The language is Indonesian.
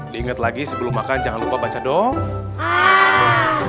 diingat lagi sebelum makan jangan lupa baca dong